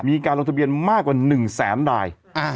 มีการลงทะเบียนมากกว่า๑แสนราย